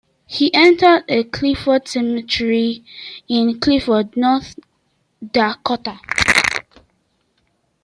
He is interred at Clifford Cemetery in Clifford, North Dakota.